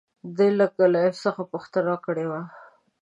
ده له کلایف څخه پوښتنه کړې وه.